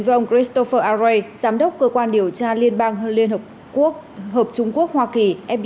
với ông christopher array giám đốc cơ quan điều tra liên bang liên hợp trung quốc hoa kỳ fbi